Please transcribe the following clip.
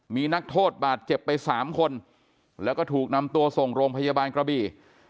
มีนักโทษบาดเจ็บไปสามคนแล้วก็ถูกนำตัวส่งโรงพยาบาลกระบี่